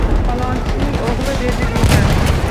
Falonchining o‘g‘li edi degan